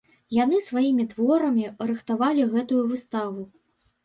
Яны сваімі творамі рыхтавалі гэтую выставу.